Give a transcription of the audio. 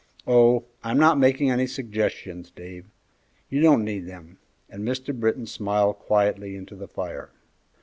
"Oh, I'm not making any 'suggestions,' Dave; you don't need them." And Mr. Britton smiled quietly into the fire.